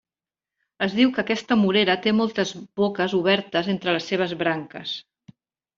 Es diu que aquesta morera té moltes boques obertes entre les seves branques.